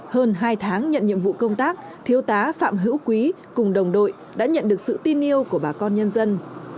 hơn hai tháng nhận nhiệm vụ công tác thiếu tá phạm hữu quý cùng đồng đội đã nhận được sự tin yêu của bà con nhân dân